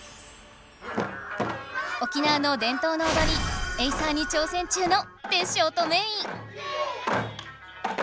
沖縄の伝統のおどりエイサーに挑戦中のテッショウとメイ。